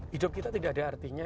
hidup kita tidak ada artinya